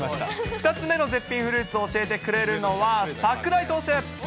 ２つ目の絶品フルーツを教えてくれるのは、桜井投手。